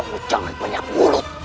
kamu jangan banyak mulut